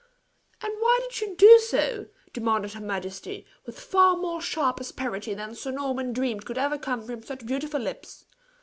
"And why did you do so?" demanded her majesty, with far more sharp asperity than Sir Norman dreamed could ever come from such beautiful lips.